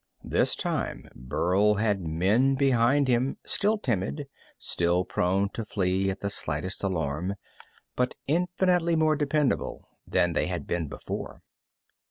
This time Burl had men behind him, still timid, still prone to flee at the slightest alarm, but infinitely more dependable than they had been before.